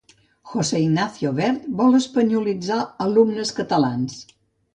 José Ignacio Wert vol espanyolitzar alumnes catalans.